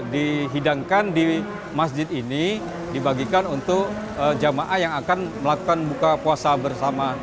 dihidangkan di masjid ini dibagikan untuk jemaah yang akan melakukan buka puasa bersama